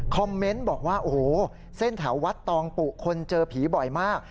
เมนต์บอกว่าโอ้โหเส้นแถววัดตองปุคนเจอผีบ่อยมาก